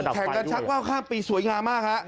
แข่งกันชักว่าวข้ามปีสวยงามมากฮะ